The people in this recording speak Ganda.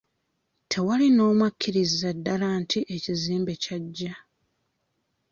Tewali n'omu akkiriza ddala nti ekizimbe kyaggya.